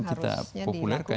nah itu yang sedang kita populerkan